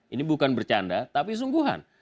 ini bukan bercanda tapi sungguhan